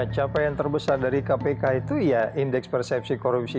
capaian terbesar dari kpk itu ya indeks persepsi korupsi